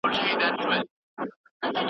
دا طریقه کېدای سي وخت ونیسي.